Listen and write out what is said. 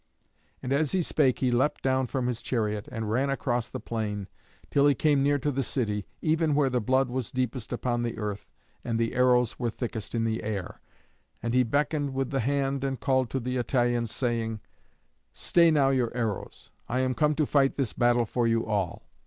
And as he spake he leapt down from his chariot, and ran across the plain till he came near to the city, even where the blood was deepest upon the earth and the arrows were thickest in the air. And he beckoned with the hand and called to the Italians, saying, "Stay now your arrows. I am come to fight this battle for you all."